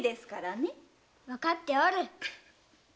わかっておる。